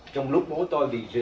trong lúc bố tôi bị rửa